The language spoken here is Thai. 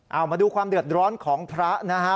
เอามาดูความเดือดร้อนของพระนะฮะ